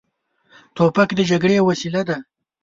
توپک د جګړې وسیله ده.